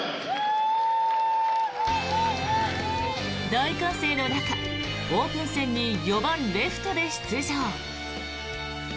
大歓声の中、オープン戦に４番レフトで出場。